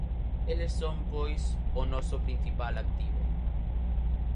Eles son, pois, o noso principal activo.